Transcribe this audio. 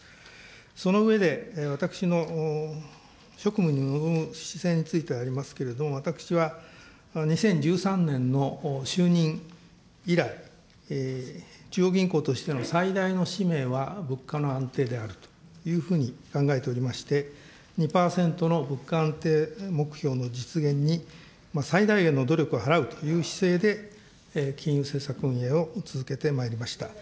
その上で、私の職務に臨む姿勢にありますけれども、私は２０１３年の就任以来、中央銀行としての最大の使命は物価の安定であるというふうに考えておりまして、２％の物価安定目標の実現に最大限の努力を払うという姿勢で、金融政策運営を続けてまいりました。